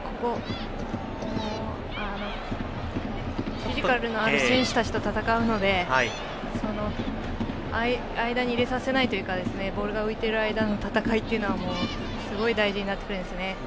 フィジカルのある選手たちと戦うので間に入れさせないというかボールが浮いている間の戦いというのはすごい大事になりますね。